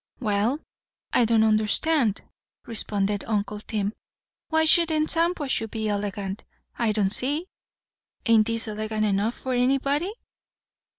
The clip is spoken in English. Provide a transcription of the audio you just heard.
"Well, I don't understand," responded uncle Tim. "Why shouldn't Shampuashuh be elegant, I don't see? Ain't this elegant enough for anybody?"